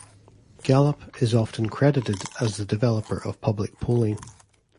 Gallup is often credited as the developer of public polling.